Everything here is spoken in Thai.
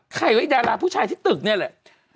ใครไว้ดาราผู้ชายที่ตึกเนี่ยแหละ